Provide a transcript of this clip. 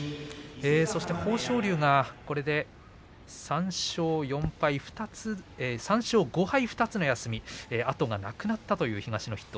豊昇龍が、これで３勝５敗２つの休み後がなくなったという東の筆頭。